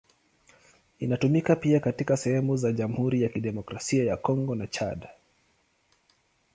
Inatumika pia katika sehemu za Jamhuri ya Kidemokrasia ya Kongo na Chad.